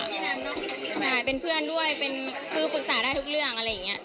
เป็นเพื่อนด้วยเป็นคือปรึกษาได้ทุกเรื่องอะไรอย่างนี้